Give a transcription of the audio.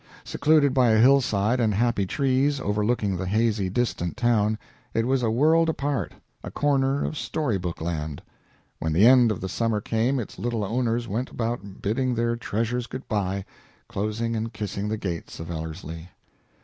Secluded by a hillside and happy trees, overlooking the hazy, distant town, it was a world apart a corner of story book land. When the end of the summer came its little owners went about bidding their treasures good by, closing and kissing the gates of Ellerslie.